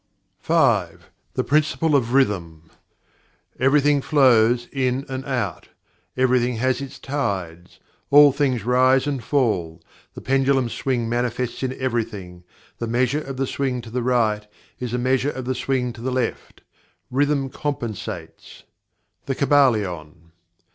5. The Principle of Rhythm "Everything flows, out and in; everything has its tides; all things rise and fall; the pendulum swing manifests in everything; the measure of the swing to the right is the measure of the swing to the left; rhythm compensates." The Kybalion.